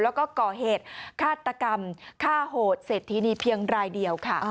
แล้วก็ก่อเหตุฆาตกรรมฆ่าโหดเศรษฐีนีเพียงรายเดียวค่ะ